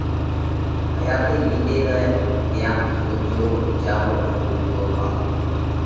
حياتئِي وِيتئِي زائه، تيام سوجو وِيچارو ان ڳوتو ۿاس نئہ!